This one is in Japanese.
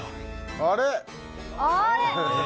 あれ？